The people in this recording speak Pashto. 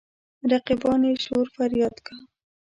رقیبان يې شور فرياد کا.